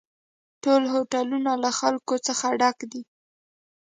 ټول هوټلونه له خلکو څخه ډک وي